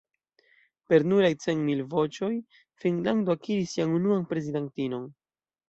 Per nuraj cent mil voĉoj Finnlando akiris sian unuan prezidantinon.